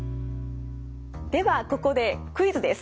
ではここでクイズです。